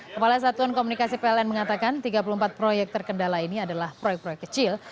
kepala satuan komunikasi pln mengatakan tiga puluh empat proyek terkendala ini adalah proyek proyek kecil